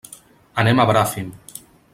Anem a Bràfim.